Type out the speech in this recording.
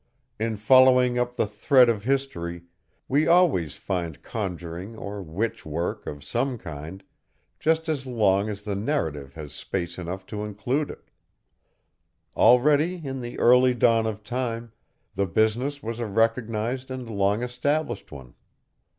In following up the thread of history, we always find conjuring or witch work of some kind, just as long as the narrative has space enough to include it. Already, in the early dawn of time, the business was a recognized and long established one.